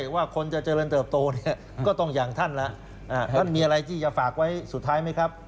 ว่าคนจะเจริญเติบโตเนี่ยก็ต้องอย่างท่านแล้วท่านมีอะไรที่จะฝากไว้สุดท้ายไหมครับ